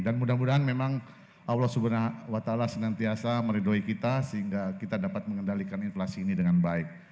dan mudah mudahan memang allah swt senantiasa meridoi kita sehingga kita dapat mengendalikan inflasi ini dengan baik